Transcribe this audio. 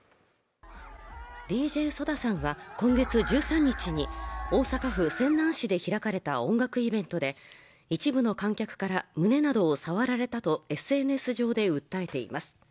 ＤＪＳＯＤＡさんは今月１３日に大阪府泉南市で開かれた音楽イベントで一部の観客から胸などを触られたとＳＮＳ上で訴えています